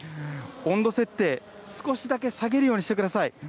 温度設定、少しだけ下げるようにしてください。